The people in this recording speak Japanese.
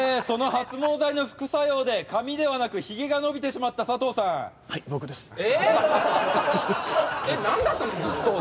その発毛剤の副作用で髪ではなくヒゲが伸びてしまったサトウさんはい僕ですえっ？